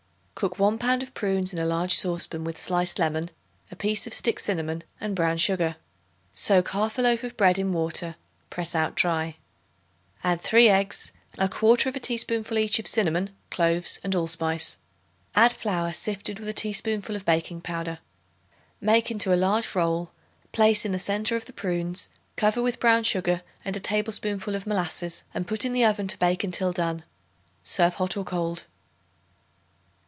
Cook 1 pound of prunes in a large saucepan with sliced lemon, a piece of stick cinnamon and brown sugar. Soak 1/2 loaf of bread in water; press out dry. Add 3 eggs, 1/4 teaspoonful each of cinnamon, cloves and allspice. Add flour sifted with a teaspoonful of baking powder. Make into a large roll; place in the centre of the prunes; cover with brown sugar and a tablespoonful of molasses and put in the oven to bake until done. Serve hot or cold.